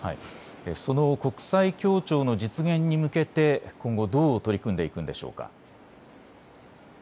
その国際協調の実現に向けて今後、どう取り組んでいくんでしょうか。